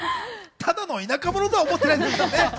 ただの田舎者とは思ってないでしょうね。